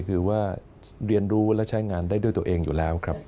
คือว่าเรียนรู้และใช้งานได้ด้วยตัวเองอยู่แล้วครับ